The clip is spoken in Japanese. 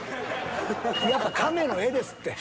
やっぱカメの絵ですって。